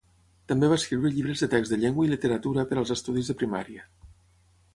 També va escriure llibres de text de llengua i literatura per als estudis de primària.